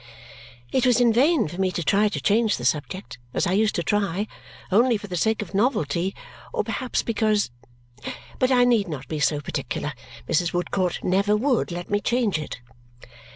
It was in vain for me to try to change the subject, as I used to try, only for the sake of novelty or perhaps because but I need not be so particular. Mrs. Woodcourt never would let me change it.